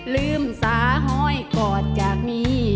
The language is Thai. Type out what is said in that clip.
ลืมสาหอยกอดจากนี้